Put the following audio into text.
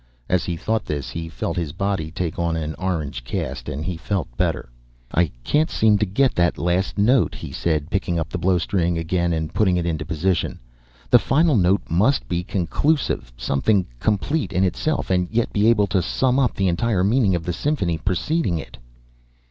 As he thought this, he felt his body take on an orange cast, and he felt better. "I can't seem to get that last note," he said, picking up the blowstring again and putting it into position. "The final note must be conclusive, something complete in itself and yet be able to sum up the entire meaning of the symphony preceding it."